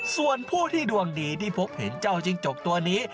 ส่วนผู้ที่ดวงดีที่พบเห็นเจ้าจิ้งจกตัวนี้